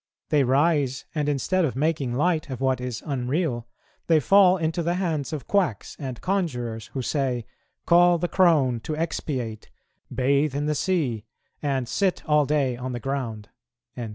They rise, and, instead of making light of what is unreal, they fall into the hands of quacks and conjurers, who say, 'Call the crone to expiate, bathe in the sea, and sit all day on the ground.'"